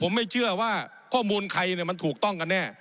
ผมอภิปรายเรื่องการขยายสมภาษณ์รถไฟฟ้าสายสีเขียวนะครับ